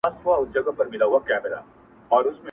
چي یې موږ ته دي جوړ کړي وران ویجاړ کلي د کونډو!.